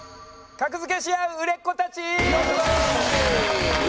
格付けしあう売れっ子たち！